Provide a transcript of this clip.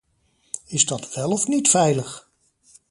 Is dat wel of niet veilig?